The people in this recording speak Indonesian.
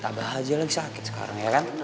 kita bahagia lagi sakit sekarang ya kan